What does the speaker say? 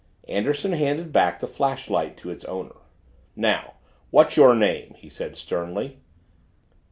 Anderson handed back the flashlight to its owner. "Now what's your name?" he said sternly.